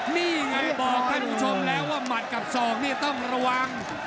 นี่ไงบอกท่านผู้ชมแล้วว่าหมัดกับศอกนี่ต้องระวัง